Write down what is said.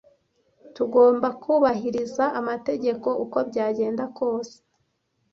Tugomba kubahiriza amategeko uko byagenda kose.